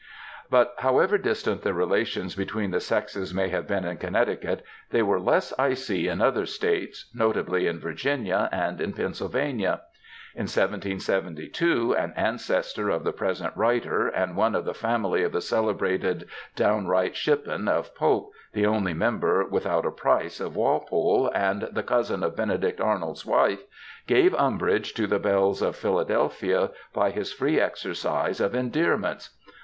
But however distant the relations between the sexes may have been in Connecticut, they were less icy in other States, notably in Virginia and in Pennsylvania. In 1772 an ancestor of the present writer, and one of the family of the celebrated " downright Shippen "^ of Pope, the only member without a price ^ of Walpole, and the cousin of Benedict Amold^s wife, gave umbrage to the belles of Philadelphia by his free exercise of endearments.